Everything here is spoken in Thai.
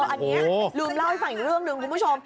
อันนี้ลืมเล่าให้ฟังอีกเรื่องหนึ่งคุณผู้ชม